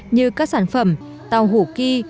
như các sản phẩm tàu hủ kia